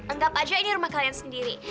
anggap aja ini rumah kalian sendiri